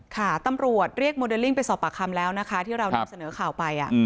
ค่ะตำรวจเรียกโมเดลลิ่งไปสอบปากคำแล้วนะคะที่เรานำเสนอข่าวไป